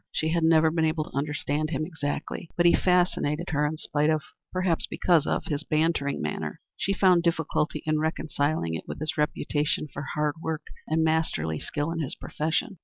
She had never been able to understand him exactly, but he fascinated her in spite of perhaps because of his bantering manner. She found difficulty in reconciling it with his reputation for hard work and masterly skill in his profession.